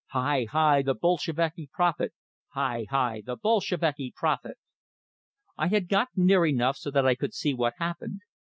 Hi! The Bolsheviki prophet. Hi! Hi! The Bolsheviki prophet!" I had got near enough so that I could see what happened.